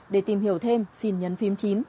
để tìm hiểu thêm xin nhấn phím chín